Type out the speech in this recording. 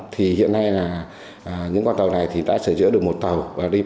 thì hiện nay là những con tàu này thì đã sửa chữa được một tàu đi